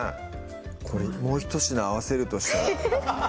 これもうひと品合わせるとしたら？